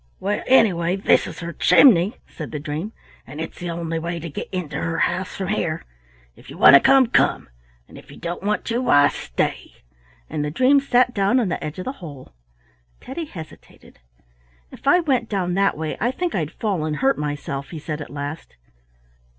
"Well, anyway, this is her chimney," said the dream, "and it's the only way to get into her house from here. If you want to come, come; and if you don't want to, why, stay," and the dream sat down on the edge of the hole. Teddy hesitated. "If I went down that way, I think I'd fall and hurt myself," he said at last.